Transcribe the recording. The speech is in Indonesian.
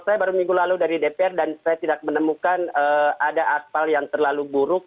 saya baru minggu lalu dari dpr dan saya tidak menemukan ada aspal yang terlalu buruk